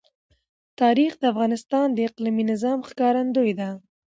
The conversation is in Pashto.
تاریخ د افغانستان د اقلیمي نظام ښکارندوی ده.